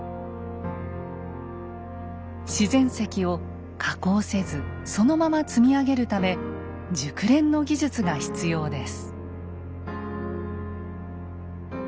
自然石を加工せずそのまま積み上げるため熟練の技術が必要です。